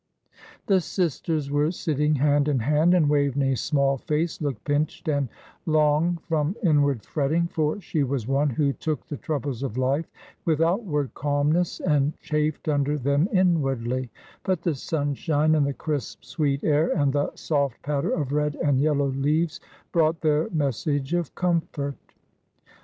The sisters were sitting hand in hand, and Waveney's small face looked pinched and long from inward fretting, for she was one who took the troubles of life with outward calmness, and chafed under them inwardly; but the sunshine, and the crisp, sweet air and the soft patter of red and yellow leaves, brought their message of comfort.